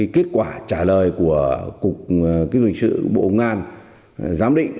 kết quả trả lời của cục kinh doanh sự bộ ngan giám định